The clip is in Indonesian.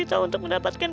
hanya bijak bukan